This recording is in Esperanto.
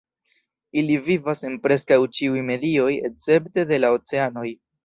Ili vivas en preskaŭ ĉiuj medioj, escepte de la oceanoj.